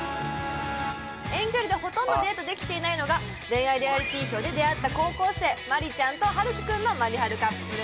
遠距離でほとんどデートできていないのが恋愛リアリティーショーで出会った高校生まりちゃんとはるくくんのまりはるカップルです